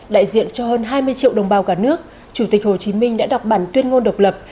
đại diện cho hơn hai mươi triệu đồng bào cả nước chủ tịch hồ chí minh đã đọc bản tuyên ngôn độc lập